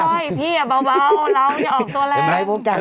พี่อย่าค่อยพี่อย่าเบาเราอย่าออกตัวแรง